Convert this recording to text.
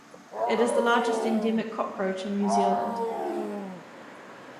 It is the largest endemic cockroach in New Zealand.